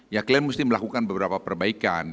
ya klaim mesti melakukan beberapa perbaikan